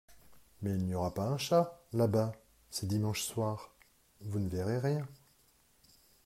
Mais il n’y aura pas un chat, là-bas, c’est dimanche soir, vous ne verrez rien.